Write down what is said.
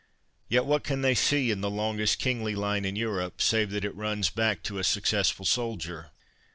Yet what can they see in the longest kingly line in Europe, save that it runs back to a successful soldier?